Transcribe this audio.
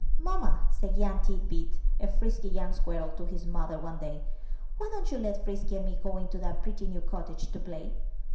'*Mamma," said young Tit bit, a frisky young squirrel, to his mother one day, why don't you let Frisky and me go into that pretty new cottage to play?"